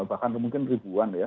bahkan mungkin ribuan